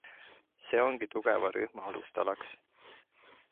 See ongi tugeva rühma alustalaks.